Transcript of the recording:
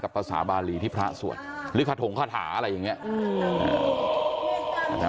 ภาษาบาลีที่พระสวดหรือคาถงคาถาอะไรอย่างนี้